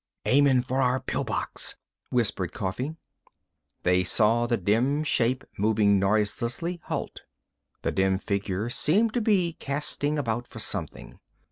"Aimin' for our pill box," whispered Coffee. They saw the dim shape, moving noiselessly, halt. The dim figure seemed to be casting about for something.